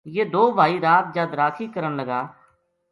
یہ دو بھائی رات جد راکھی کرن لگا